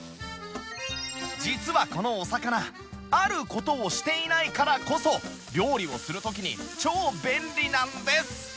実はこのお魚ある事をしていないからこそ料理をする時に超便利なんです